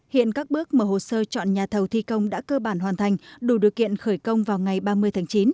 hiện các bước mở hồ sơ chọn nhà thầu thi công đã cơ bản hoàn thành đủ điều kiện khởi công vào ngày ba mươi tháng chín